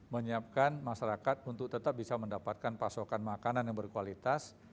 menyiapkan masyarakat untuk tetap bisa mendapatkan pasokan makanan yang berkualitas